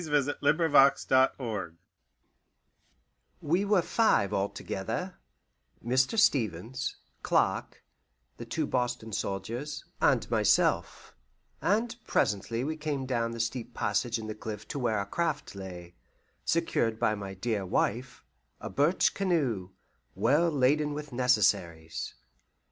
XXII. THE LORD OF KAMARSKA We were five altogether Mr. Stevens, Clark, the two Boston soldiers, and myself; and presently we came down the steep passage in the cliff to where our craft lay, secured by my dear wife a birch canoe, well laden with necessaries.